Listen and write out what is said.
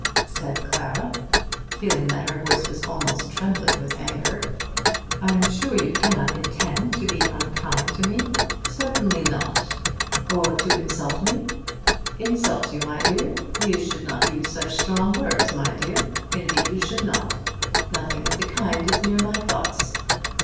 said Clara, feeling that her voice was almost trembling with anger, "I am sure you cannot intend to be unkind to me?" "Certainly not." "Or to insult me?" "Insult you, my dear! You should not use such strong words, my dear; indeed you should not. Nothing of the kind is near my thoughts."